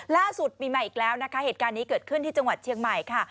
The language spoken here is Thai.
ล่าสุดมีใหม่อีกแล้วนะคะเหตุการณ์นี้เกิดขึ้นที่จังหวัดเชียงใหม่ค่ะ